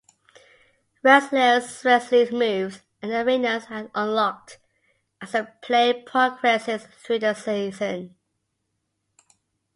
Wrestlers, wrestling moves, and arenas are unlocked as the player progresses through a season.